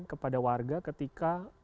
kepada warga ketika